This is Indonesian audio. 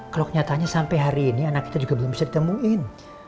kalau kenyataannya sampai hari ini anak kita juga belum bisa ditemuin